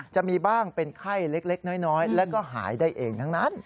จะมีบ้างเป็นไข้เล็กน้อยแล้วก็หายได้เองทั้งนั้น